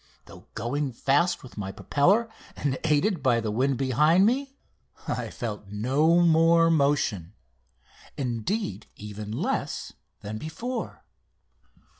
Though going fast with my propeller, and aided by the wind behind me, I felt no more motion, indeed even less, than before.